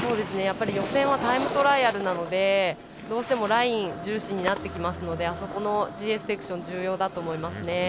予選はタイムトライアルなのでどうしてもライン重視になってきますのであそこのＧＳセクションが重要だと思いますね。